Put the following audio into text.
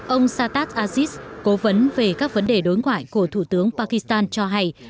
ông satat aziz cố vấn về các vấn đề đối ngoại của thủ tướng pakistan cho hay